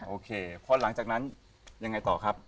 โอเคพอหลังจากนั้นยังไงต่อครับ